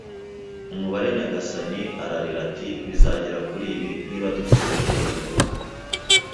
“Umubare, nyagasani!” ararira. Ati: “Bizagera kuri ibi: Niba dufite ibimenyetso uvuga